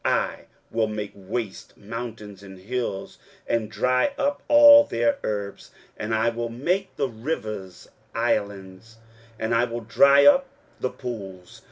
23:042:015 I will make waste mountains and hills, and dry up all their herbs; and I will make the rivers islands, and I will dry up the pools.